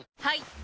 はい！